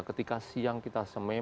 ketika siang kita semai